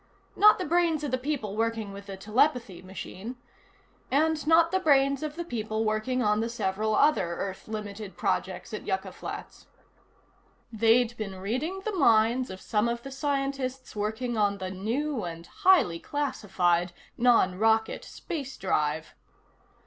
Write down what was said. Not the brains of the people working with the telepathy machine. And not the brains of the people working on the several other Earth limited projects at Yucca Flats. They'd been reading the minds of some of the scientists working on the new and highly classified non rocket space drive.